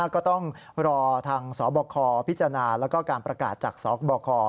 ก็ต้องรอทางสบคพิจารณาแล้วก็การประกาศจากสบค